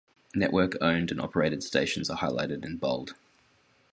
Network owned-and-operated stations are highlighted in bold.